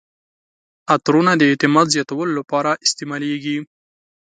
عطرونه د اعتماد زیاتولو لپاره استعمالیږي.